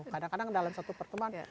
kadang kadang dalam satu pertemuan